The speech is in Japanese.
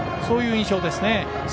そういう印象ですね。